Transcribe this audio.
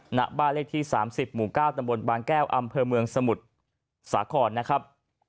หน้าบ้านเลขที่๓๐หมู่๙ตำบลบางแก้วอำเภอเมืองสมุทรสาครนะครับ